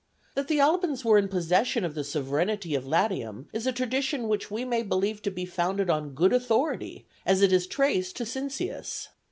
That the Albans were in possession of the sovereignty of Latium is a tradition which we may believe to be founded on good authority, as it is traced to Cincius.